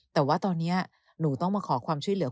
แต่ว่าตอนนี้หนูต้องมาขอความช่วยเหลือ